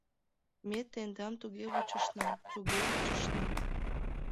Ме тендам туге вучышна, туге вучышна...».